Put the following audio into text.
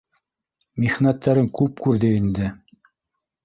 Михнәттәрен күп күрҙе инде